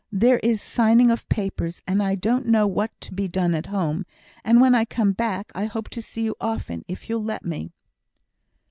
There is signing of papers, and I don't know what to be done at home. And when I come back, I hope to see you often, if you'll let me."